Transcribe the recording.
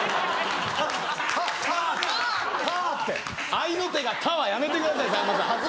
合いの手が「タッ！」はやめてくださいさんまさん。